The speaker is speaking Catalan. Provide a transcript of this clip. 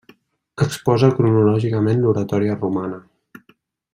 Exposa cronològicament l'oratòria romana.